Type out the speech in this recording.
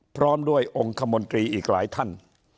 พร้อมด้วยองค์คมนตรีอีกหลายท่าน